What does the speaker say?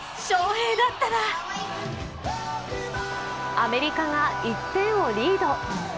アメリカが１点をリード。